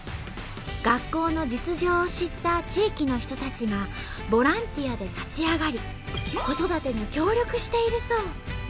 学校の実情を知った地域の人たちがボランティアで立ち上がり子育てに協力しているそう。